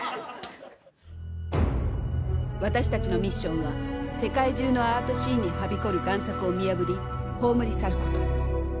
私たちのミッションは世界中のアートシーンにはびこる贋作を見破り葬り去ること。